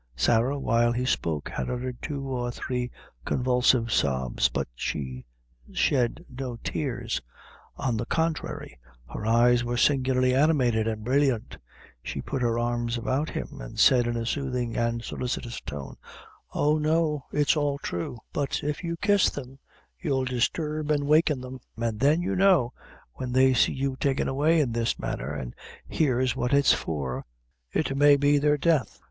Sarah, while he spoke, had uttered two or three convulsive sobs; but she shed no tears; on the contrary, her eyes were singularly animated and brilliant. She put her arms about him, and said, in a soothing and solicitous tone: "Oh, no, it's all thrue; but if you kiss them, you'll disturb and waken them; and then, you know, when they see you taken away in this manner, an' hears what it's for, it may be their death."